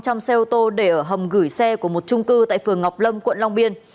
trong xe ô tô để ở hầm gửi xe của một trung cư tại phường ngọc lâm quận long biên